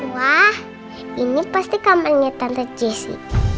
wah ini pasti kamarnya tante jessy